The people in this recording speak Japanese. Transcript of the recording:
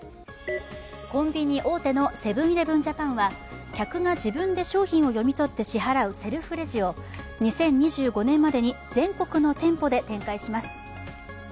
コンビニ大手のセブン−イレブン・ジャパンは客が自分で商品を読み取って支払うセルフレジを２０２５年までに全国の店舗で展開します。